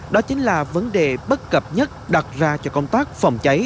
đó chính là vấn đề bất cập nhất đặt ra cho công tác phòng cháy